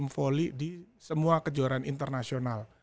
volley di semua kejuaraan internasional